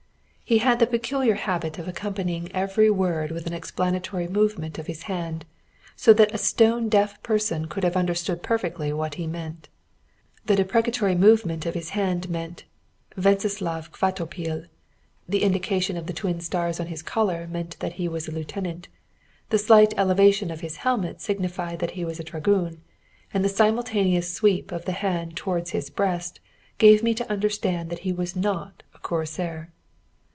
He had the peculiar habit of accompanying every word with an explanatory movement of his hand, so that a stone deaf person could have understood perfectly what he meant. The deprecatory movement of his hand meant Wenceslaus Kvatopil; the indication of the twin stars on his collar meant that he was a lieutenant; the slight elevation of his helmet signified that he was a dragoon, and the simultaneous sweep of the hand towards his breast gave me to understand that he was not a cuirassier.